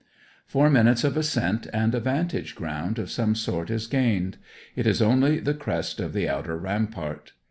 Four minutes of ascent, and a vantage ground of some sort is gained. It is only the crest of the outer rampart.